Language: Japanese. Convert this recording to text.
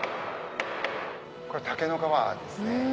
これ竹の皮ですね。